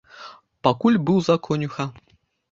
Пакуль быў за конюха.